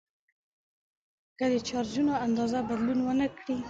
که د چارجونو اندازه بدلون ونه کړي.